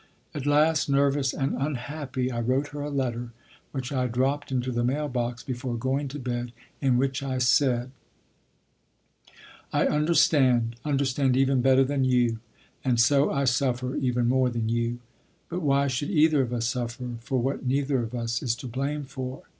At last, nervous and unhappy, I wrote her a letter, which I dropped into the mail box before going to bed, in which I said: I understand, understand even better than you, and so I suffer even more than you. But why should either of us suffer for what neither of us is to blame for?